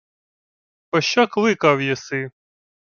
— Пощо кликав єси?